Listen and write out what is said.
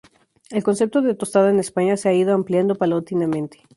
El concepto de tostada en España se ha ido ampliando paulatinamente.